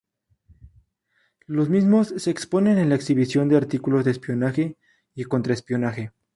Los mismos se exponen en la exhibición de artículos de espionaje y contraespionaje.